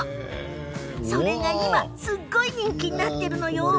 それが、今すごい人気になっているの。